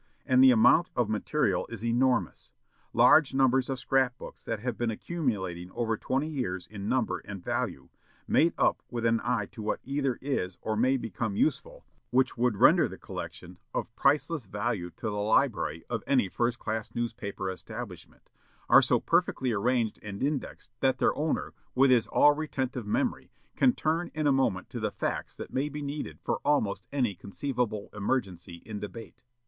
And the amount of material is enormous. Large numbers of scrap books that have been accumulating for over twenty years in number and value made up with an eye to what either is or may become useful, which would render the collection of priceless value to the library of any first class newspaper establishment are so perfectly arranged and indexed that their owner, with his all retentive memory, can turn in a moment to the facts that may be needed for almost any conceivable emergency in debate.